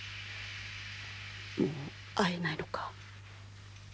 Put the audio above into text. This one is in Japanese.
もう会えないのか。